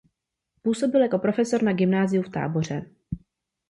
Působil jako profesor na gymnáziu v Táboře.